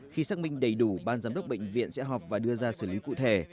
khi xác minh đầy đủ ban giám đốc bệnh viện sẽ họp và đưa ra xử lý cụ thể